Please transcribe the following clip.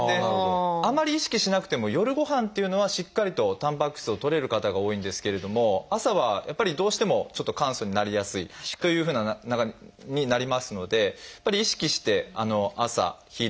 あまり意識しなくても夜ごはんっていうのはしっかりとたんぱく質をとれる方が多いんですけれども朝はやっぱりどうしてもちょっと簡素になりやすいというふうになりますのでやっぱり意識して朝昼夕ともにですね